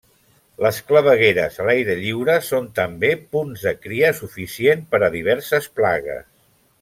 Les clavegueres a l'aire lliure són també punts de cria suficient per a diverses plagues.